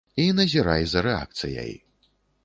І назірай за рэакцыяй.